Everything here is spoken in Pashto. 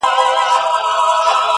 په یوه غوجل کي دواړه اوسېدله -